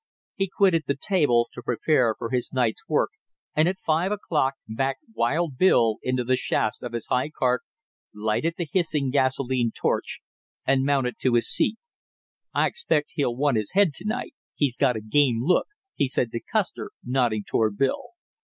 He quitted the table to prepare for his night's work, and at five o'clock backed wild Bill into the shafts of his high cart, lighted the hissing gasolene torch, and mounted to his seat. "I expect he'll want his head to night; he's got a game look," he said to Custer, nodding toward Bill.